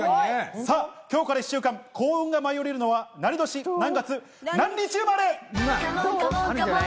さぁ今日から１週間幸運が舞い降りるのは何年、何月何日生まれ。